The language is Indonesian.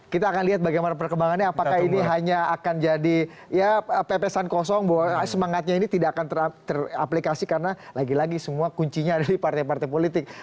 kita akan lihat bagaimana perkembangannya apakah ini hanya akan jadi ya pepesan kosong bahwa semangatnya ini tidak akan teraplikasi karena lagi lagi semua kuncinya ada di partai partai politik